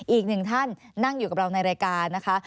อีกหนึ่งท่านนั่งอยู่กับเราในรายการนะคะ